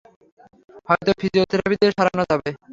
হয়তো ফিজিওথেরাপি দিয়ে সারানো যাবে।